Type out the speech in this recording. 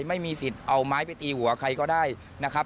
ไม่มีสิทธิ์เอาไม้ไปตีหัวใครก็ได้นะครับ